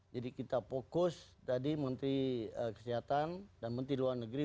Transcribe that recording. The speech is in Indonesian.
jadi kita fokus tadi menteri kesehatan dan menteri luar negeri